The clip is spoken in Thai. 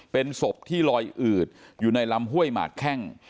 เป็นศพที่ลอยอืดอยู่ในลำห้วยหมากแข้ง